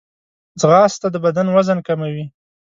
ځغاسته د بدن وزن کموي